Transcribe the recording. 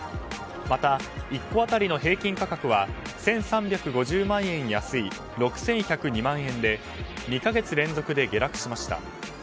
また１戸当たりの平均価格は１３５０万円安い６１０２万円で２か月連続で下落しました。